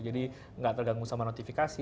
jadi enggak terganggu sama notifikasi